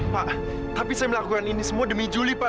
pak tapi saya melakukan ini semua demi juli pak